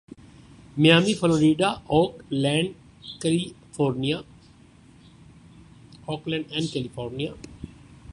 Miami Florida Oakland California